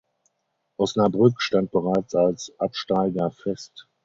Osnabrück stand bereits als Absteiger fest.